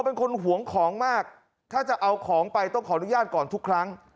เป็นคนหวงของมากถ้าจะเอาของไปต้องขออนุญาตก่อนทุกครั้ง